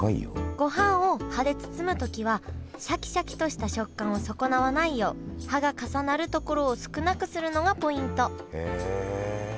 ごはんを葉で包むときはシャキシャキとした食感を損なわないよう葉が重なるところを少なくするのがポイントへえ。